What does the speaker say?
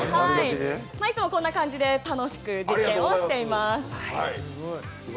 いつもこんな感じで楽しく実験をしています。